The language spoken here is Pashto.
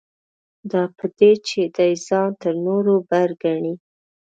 دا په دې چې دی ځان تر نورو بر ګڼي.